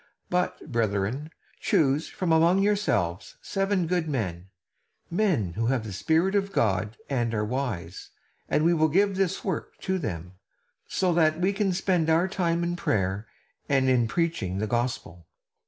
But, brethren, choose from among yourselves seven good men; men who have the Spirit of God and are wise, and we will give this work to them; so that we can spend our time in prayer and in preaching the gospel."